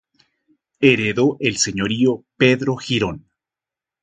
Heredó el señorío Pedro Girón.